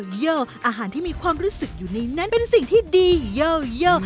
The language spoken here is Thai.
เยอะอาหารที่มีความรู้สึกอยู่ในนั้นเป็นสิ่งที่ดีเยอะ